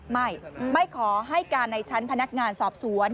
ไม่ไม่ขอให้การในชั้นพนักงานสอบสวน